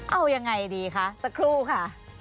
เอายังไงดีคะสักครู่ค่ะ